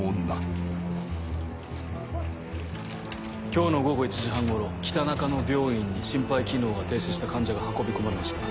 今日の午後１時半頃北中野病院に心肺機能が停止した患者が運び込まれました。